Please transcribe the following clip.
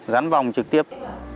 gắn vòng trực tiếp